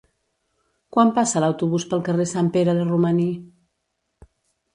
Quan passa l'autobús pel carrer Sant Pere de Romaní?